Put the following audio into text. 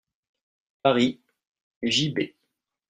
Paris, J.-B.